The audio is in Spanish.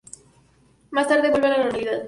Más tarde vuelve a la normalidad.